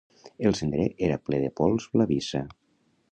El cendrer era ple de pols blavissa.